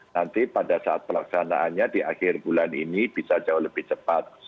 nanti pada saat pelaksanaannya di akhir bulan ini bisa jauh lebih cepat